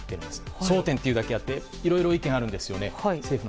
焦点というだけあって政府の中からいろいろ意見があるんですよね。